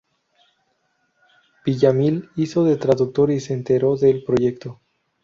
Villamil hizo de traductor y se enteró del proyecto.